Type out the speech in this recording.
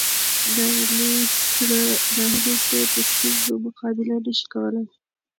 ناهیلي زړه د ستونزو مقابله نه شي کولی.